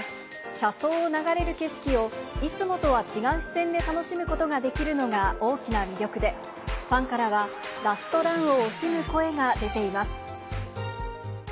車窓を流れる景色を、いつもとは違う視線で楽しむことができるのが大きな魅力で、ファンからは、ラストランを惜しむ声が出ています。